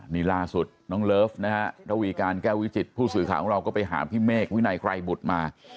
นี่ล่าสุดน้องเลิฟนะฮะระวีการแก้ววิจิตผู้สื่อข่าวของเราก็ไปหาพี่เมฆวินัยไกรบุตรมา